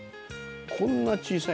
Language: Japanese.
こんな小さい。